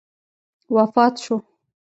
وفات شو.